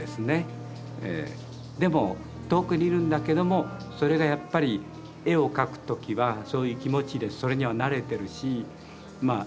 でも遠くにいるんだけどもそれがやっぱり絵を描く時はそういう気持ちでそれには慣れてるしまあ